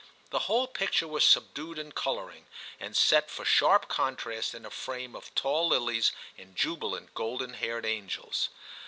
The whole picture was sub dued in colouring, and set for sharp contrast in a frame of tall lilies and jubilant golden 6 TIM CHAP. haired angels.